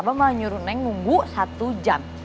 bapak malah nyuruh neng nunggu satu jam